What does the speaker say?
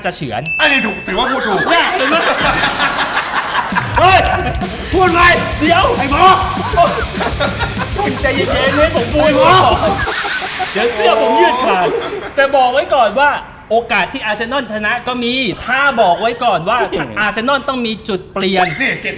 แต่บอกไว้ก่อนว่าโอกาสที่อาร์เสนอนชนะก็มีถ้าบอกไว้ก่อนว่าต้องมีจุดเปลี่ยน